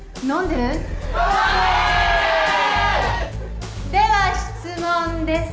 では質問です。